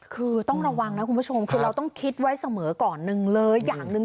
คือต้องระวังนะคุณผู้ชมคือเราต้องคิดไว้เสมอก่อนหนึ่งเลยอย่างหนึ่ง